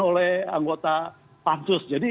oleh anggota pansus